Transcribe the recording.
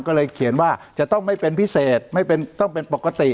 ก็เลยเขียนว่าจะต้องไม่เป็นพิเศษไม่ต้องเป็นปกติ